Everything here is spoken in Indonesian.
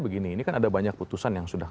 begini ini kan ada banyak putusan yang sudah